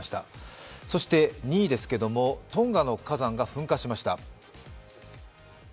そして２位ですけれども、トンガの火山が噴火しました。